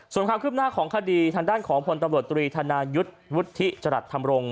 ส่วนข้ามขึ้นหน้าของคดีทางด้านของพลตำรวจตรีธนายุทธิจรัตน์ธรรมรงค์